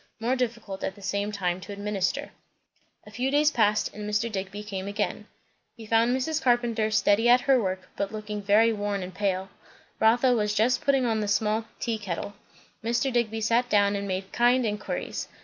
More difficult at the same time to administer. A few days passed, and Mr. Digby again came. He found Mrs. Carpenter steady at her work, but looking very worn and pale. Rotha was just putting on the small tea kettle. Mr. Digby sat down and made kind inquiries.